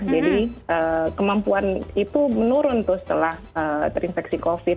jadi kemampuan itu menurun tuh setelah terinfeksi covid